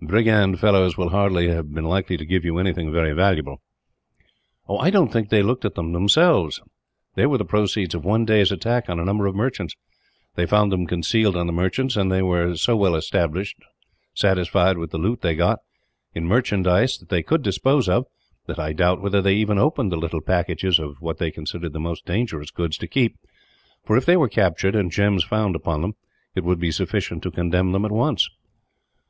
Brigand fellows will hardly have been likely to give you anything very valuable." "I don't think that they looked at them, themselves; they were the proceeds of one day's attack on a number of merchants. They found them concealed on them, and they were so well satisfied with the loot they got, in merchandise that they could dispose of, that I doubt whether they even opened the little packages of what they considered the most dangerous goods to keep; for if they were captured, and gems found upon them, it would be sufficient to condemn them, at once."